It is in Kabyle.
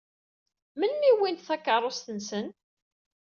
Melmi i wwint takeṛṛust-nsen?